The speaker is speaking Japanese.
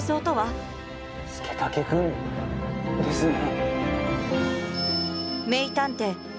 佐武君ですね？